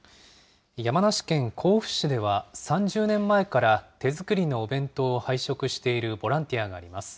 山梨県甲府市では、３０年前から、手作りのお弁当を配食しているボランティアがあります。